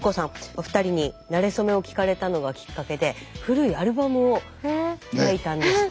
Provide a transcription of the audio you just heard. お二人になれそめを聞かれたのがきっかけで古いアルバムを開いたんですって。